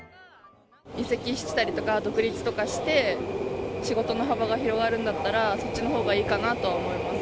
移籍したりとか、独立とかして、仕事の幅が広がるんだったら、そっちのほうがいいかなとは思います。